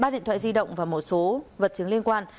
ba điện thoại di động và một số vật chứng liên quan